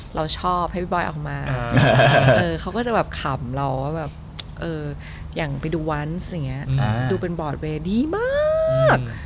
เราชอบให้พี่บอยออกมาเขาก็จะแบบขำเราอย่างไปดูวันส์ดูเป็นบอร์ดเวย์ดีมาก